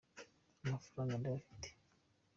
amafaranga ndayafite